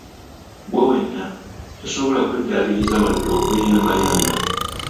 Gwe wenna, tosobola kweddaabiriza wadde okweyambayamba!